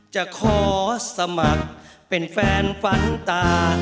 จะขอสมัครเป็นแฟนฝันตา